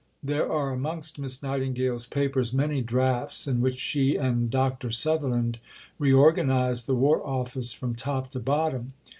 There are amongst Miss Nightingale's papers many drafts in which she and Dr. Sutherland reorganized the War Office from top to bottom.